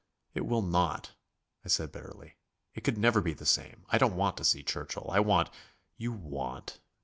"It will not," I said bitterly. "It could never be the same. I don't want to see Churchill. I want...." "You want?"